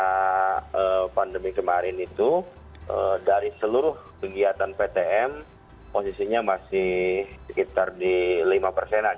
karena pandemi kemarin itu dari seluruh kegiatan ptm posisinya masih sekitar di lima persen aja